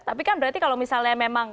tapi kan berarti kalau misalnya memang